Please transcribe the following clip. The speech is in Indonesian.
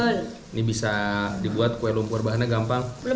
ini bisa dibuat kue lumpur bahannya gampang